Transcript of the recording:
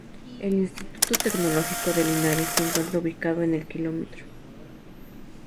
El Instituto Tecnológico de Linares se encuentra ubicado en el km.